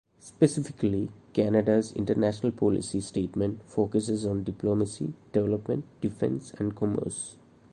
Specifically, Canada's International Policy Statement focuses on diplomacy, development, defense, and commerce.